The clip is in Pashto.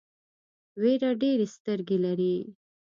وېره ډېرې سترګې لري.